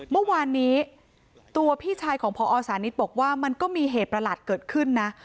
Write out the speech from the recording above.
เมื่อวานนี้ตัวพี่ชายของพอสานิทบอกว่ามันก็มีเหตุประหลาดเกิดขึ้นนะ